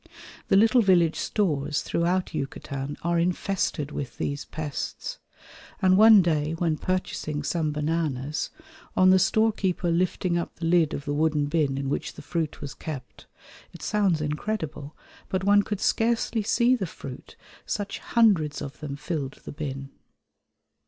The little village stores throughout Yucatan are infested with these pests, and one day when purchasing some bananas, on the storekeeper lifting up the lid of the wooden bin in which the fruit was kept, it sounds incredible, but one could scarcely see the fruit, such hundreds of them filled the bin.